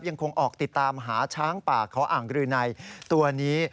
ยังคงออกติดตามหาช้างป่าเขาอ่างรืนัยตัวนี้